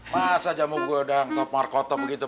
masa jamu gue dalam top markot top gitu